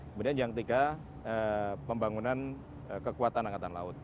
kemudian yang ketiga pembangunan kekuatan angkatan laut